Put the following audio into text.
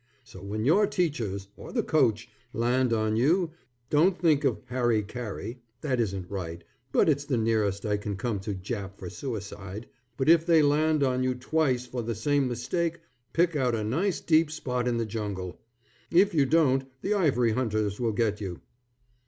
So when your teachers, or the coach, land on you don't think of "Harry Carey", (that isn't right but it's the nearest I can come to Jap for suicide) but if they land on you twice for the same mistake, pick out a nice deep spot in the jungle. If you don't the ivory hunters will get you.